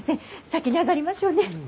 先に上がりましょうね。